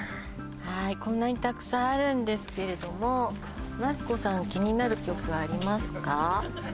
はいこんなにたくさんあるんですけれどもマツコさん気になる曲ありますか？